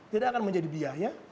tidak akan menjadi biaya